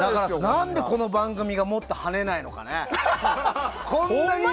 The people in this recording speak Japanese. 何で、この番組はもっとはねないのかね。